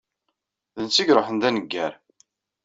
D netta i iruḥen d aneggar.